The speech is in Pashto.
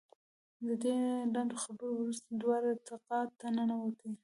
د دې لنډو خبرو وروسته دواړه اتاق ته ننوتې.